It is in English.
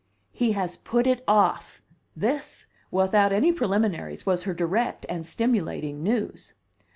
"He has put it off!" This, without any preliminaries, was her direct and stimulating news.